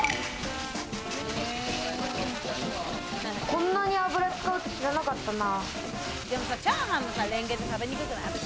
こんなに油、使うって知らなかったな。